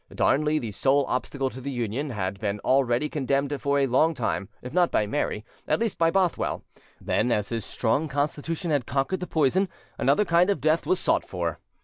Darnley, the sole obstacle to the union, had been already condemned for a long time, if not by Mary, at least by Bothwell; then, as his strong constitution had conquered the poison, another kind of death was sought for.